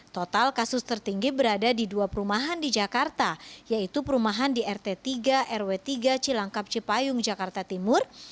total kasus tertinggi berada di dua perumahan di jakarta yaitu perumahan di rt tiga rw tiga cilangkap cipayung jakarta timur